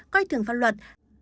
coi thường pháp luật